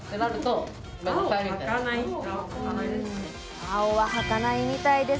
青は履かないみたいです。